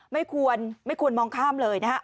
ไม่ควรมองข้ามเลยนะฮะ